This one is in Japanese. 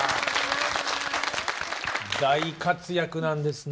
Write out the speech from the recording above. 大活躍なんですね。